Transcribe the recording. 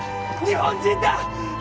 日本人だ！